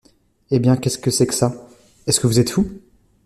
Eh bien, qu’est-ce que c’est que ça ? est-ce que vous êtes fou ?